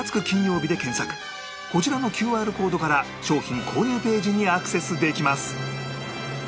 こちらの ＱＲ コードから商品購入ページにアクセスできます